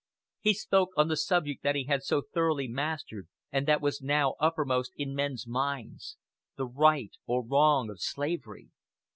He spoke on the subject that he had so thoroughly mastered and that was now uppermost in men's minds the right or wrong of slavery.